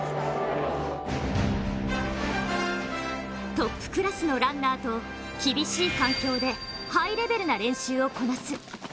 トップクラスのランナーと厳しい環境でハイレベルな練習をこなす。